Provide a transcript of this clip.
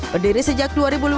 berdiri sejak dua ribu lima belas